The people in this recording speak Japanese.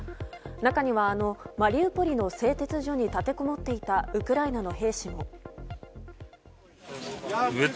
中にはマリウポリの製鉄所に立てこもっていたウクライナの兵士も。